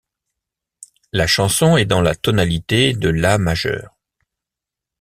La chanson est dans la tonalité de la majeur.